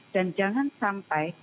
dan jangan sampai